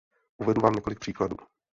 Uvedu vám několik příkladů.